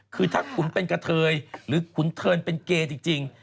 คือถ้าขุนเป็นกะเทยหรือขุนเทินเป็นเกย์จริง